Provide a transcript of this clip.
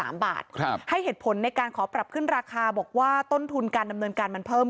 ไม่เคยเห็นเลยค่ะ